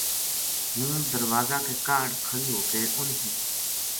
ہوں دروازہ کے کاہڈ کھلی ہو کے اُنھ کی